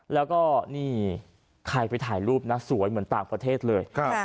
แล้วก็นี่ใครไปถ่ายรูปนะสวยเหมือนต่างประเทศเลย